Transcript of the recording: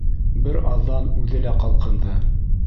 Бер аҙҙан үҙе лә ҡалҡынды.